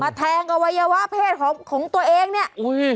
แทงอวัยวะเพศของของตัวเองเนี่ยอุ้ย